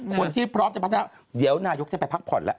พร้อมจะพัฒนาเดี๋ยวนายกจะไปพักผ่อนแล้ว